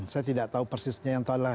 saya tidak tahu persisnya yang tahu adalah